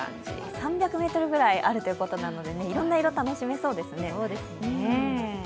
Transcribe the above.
３００ｍぐらいあるということなので、いろんな色が楽しめそうですね。